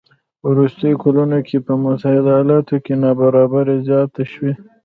په وروستیو کلونو کې په متحده ایالاتو کې نابرابري زیاته شوې